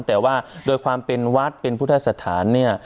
แต่ว่าโดยความเป็นวัดเป็นพุทธสถานเนี่ย